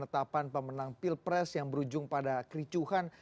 pertama kali ini ada pemenang pilpres yang berujung pada kericuhan